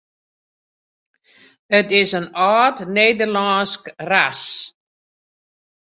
Dit is in âld Nederlânsk ras.